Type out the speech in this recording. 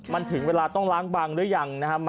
มันถึงเวลาต้องร้างบังหรือยัง